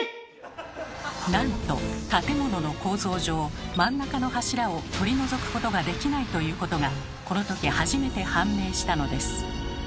⁉なんと建物の構造上真ん中の柱を取り除くことができないということがこのとき初めて判明したのです。